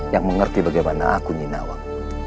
yang mengerti bagaimana aku nyinawa